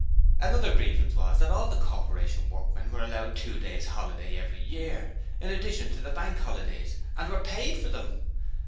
Another grievance was that all the Corporation workmen were allowed two days' holiday every year, in addition to the Bank Holidays, and were paid for them!